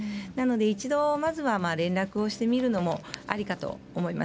一度まずは連絡をしてみるのもありかと思います。